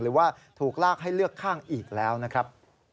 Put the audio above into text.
หรือว่าถูกลากให้เลือกข้างอีกแล้วนะครับ